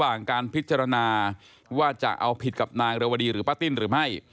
การพิจารณาว่าจะเอาผิดกับนางเรวดีหรือป้าติ้นหรือไม่